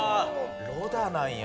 ロダンなんや。